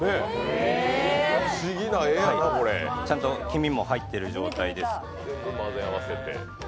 ちゃんと黄身も入ってる状態です。